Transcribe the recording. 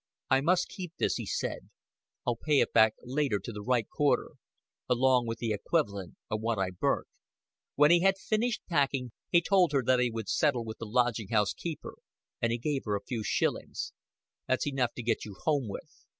"I must keep this," he said. "I'll pay it back later to the right quarter along with the equivalent of what I burnt." When he had finished packing he told her that he would settle with the lodging house keeper, and he gave her a few shillings. "That's enough to get you home with."